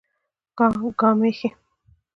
ګامېښې